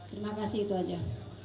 terima kasih itu aja